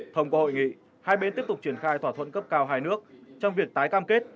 thông qua hội nghị hai bên tiếp tục triển khai thỏa thuận cấp cao hai nước trong việc tái cam kết